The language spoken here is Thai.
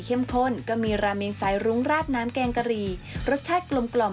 ข้นก็มีราเมงสายรุ้งราดน้ำแกงกะหรี่รสชาติกลมกล่อม